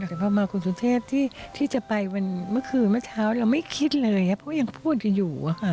สำหรับมาคุณสุเทพที่จะไปมาคืนเมื่อเช้าเราไม่คิดเลยเพราะยังพูดอยู่ค่ะ